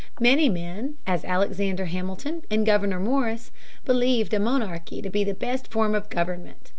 Many men, as Alexander Hamilton and Gouverneur Morris, believed a monarchy to be the best form of government.